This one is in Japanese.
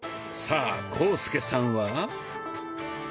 さあ浩介さんは？